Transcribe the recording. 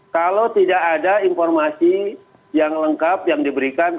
kalau tidak ada informasi yang lengkap yang diberikan